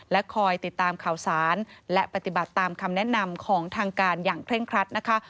และคอยติดตามข่าวสารและปฏิบัติตามคำแนะนำของทางการอย่างเคร่งครัดนะคะ